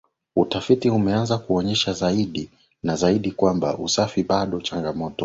Utafiti umeanza kuonyesha zaidi na zaidi kwamba usafi bado changamoto